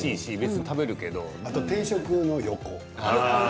あと定食の横。